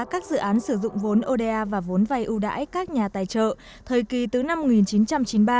các dự án sử dụng vốn oda và vốn vay ưu đãi các nhà tài trợ thời kỳ từ năm một nghìn chín trăm chín mươi ba